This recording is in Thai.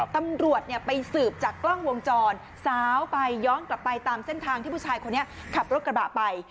ตำรวจไปสืบจากกล้องวงจรสาวไปย้อนกลับไปตามเส้นทางที่ผู้ชายคนนี้ขับรถกระบะไป